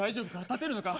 立てるのか？